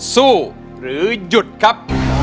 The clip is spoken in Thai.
สู้หรือหยุดครับ